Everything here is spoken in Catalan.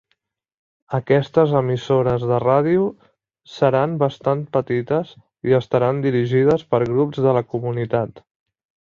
Aquestes emissores de ràdio seran bastant petites i estaran dirigides per grups de la comunitat.